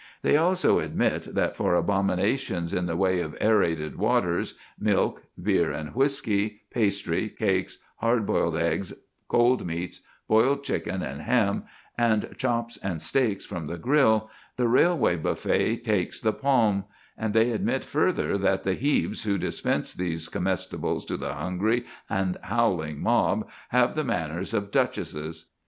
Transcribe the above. They also admit that for abominations in the way of aërated waters, milk, beer, and whisky, pastry, cakes, hard boiled eggs, cold meats, boiled chicken and ham, and chops and steaks from the grill, the railway buffet takes the palm; and they admit further that the Hebes who dispense these comestibles to the hungry and howling mob have the manners of duchesses.